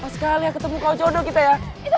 mas kali aku tunggu kau jodoh kita ya